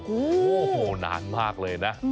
โอ้โหนานมากเลยนะ